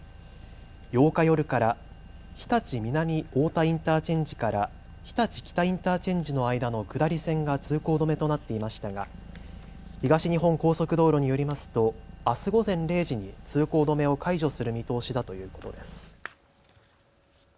８日夜から日立南太田インターチェンジから日立北インターチェンジの間の下り線が通行止めとなっていましたが東日本高速道路によりますとあす午前０時に通行止めを解除する見通しだということです。